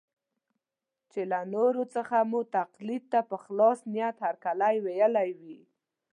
چې له نورو څخه مو تقلید ته په خلاص نیت هرکلی ویلی وي.